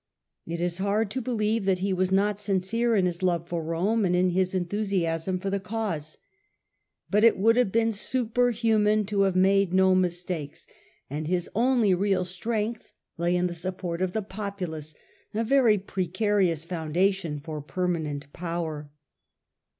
It is hard to believe that he was not sincere in his love for Rome and in his enthusiasm for the cause. But it would have been superhuman to have made no mistakes, and his only 84 THE END OF THE MIDDLE AGE 1347 Crowned, 15th Aug. 1347 real strength lay in the support of the populace, a very precarious foundation for permanent power.